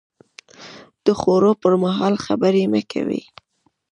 د خوړو پر مهال خبرې مه کوئ